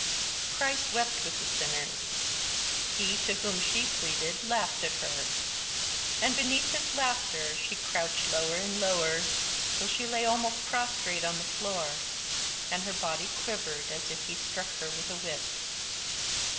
Christ wept with the sinners. He to whom she pleaded laughed at her. And, beneath his laughter, she crouched lower and lower, till she lay almost prostrate on the floor; and her body quivered as if he struck her with a whip.